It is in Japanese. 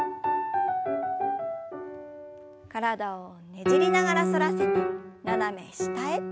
体をねじりながら反らせて斜め下へ。